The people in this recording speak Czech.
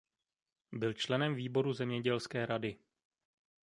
Byl členem výboru zemědělské rady.